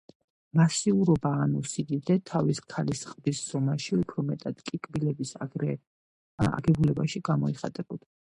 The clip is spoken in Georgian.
მასიურობა ანუ სიდიდე, თავის ქალისა ყბის ზომაში, უფრო მეტად კი კბილების აგებულებაში გამოიხატებოდა.